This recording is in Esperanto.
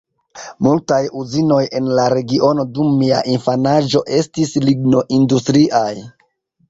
Multaj uzinoj en la regiono dum mia infanaĝo estis lignoindustriaj.